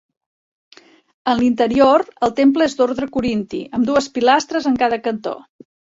En l'interior, el temple és d'ordre corinti, amb dues pilastres en cada cantó.